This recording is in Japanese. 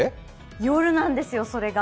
夜なんですよ、それが。